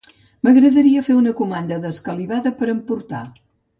M'agradaria fer una comanda d'escalivada per emportar